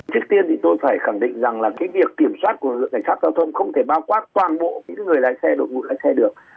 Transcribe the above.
trước tiên thì tôi phải khẳng định rằng là cái việc kiểm soát của lực lượng cảnh sát giao thông không thể bao quát toàn bộ những người lái xe đội ngũ lái xe được